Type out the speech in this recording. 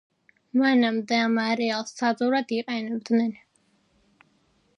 მანამდე, ამ არეალს საძოვრად იყენებდნენ.